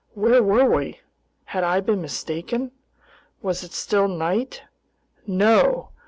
Where were we? Had I been mistaken? Was it still night? No!